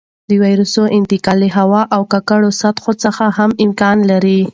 د وېروس انتقال له هوا او ککړو سطحو څخه هم امکان لري.